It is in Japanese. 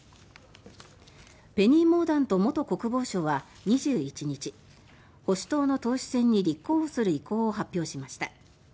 ペニー・モーダント元国防相は２１日保守党の党首選に立候補する意向を発表しました。